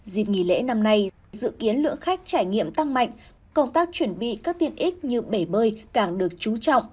dịp nghỉ lễ năm nay dự kiến lượng khách trải nghiệm tăng mạnh công tác chuẩn bị các tiện ích như bể bơi càng được chú trọng